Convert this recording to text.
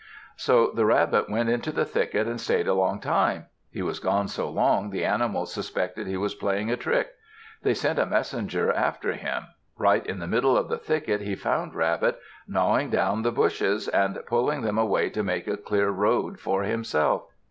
So the Rabbit went into the thicket, and stayed a long time. He was gone so long the animals suspected he was playing a trick. They sent a messenger after him. Right in the middle of the thicket he found Rabbit, gnawing down the bushes and pulling them away to make a clear road for himself.